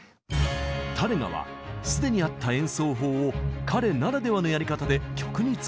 タレガは既にあった演奏法を彼ならではのやり方で曲に使いました。